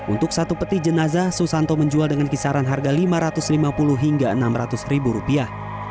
untuk satu peti jenazah susanto menjual dengan kisaran harga lima ratus lima puluh hingga enam ratus ribu rupiah